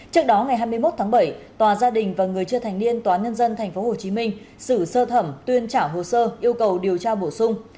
trước đó ngày hai mươi một tháng bảy tòa gia đình và người chưa thành niên tòa nhân dân tp hcm xử sơ thẩm tuyên trả hồ sơ yêu cầu điều tra bổ sung